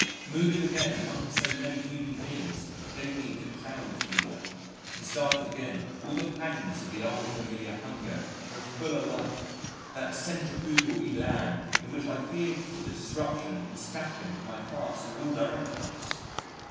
Moving again among so many human beings gave me the crowd fever, and started again all the pangs of the old familiar hunger for a fuller life, that centrifugal elan in which I feared for the disruption and scattering of my parts in all directions.